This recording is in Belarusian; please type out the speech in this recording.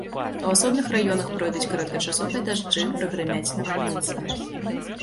У асобных раёнах пройдуць кароткачасовыя дажджы, прагрымяць навальніцы.